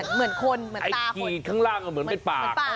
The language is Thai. เหมือนคนเหมือนไอ้ขีดข้างล่างเหมือนเป็นปาก